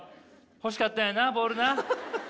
欲しかったんやなボールな。